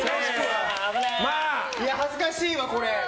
恥ずかしいわ、これ。